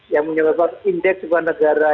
yang menyebabkan indeks sebuah negara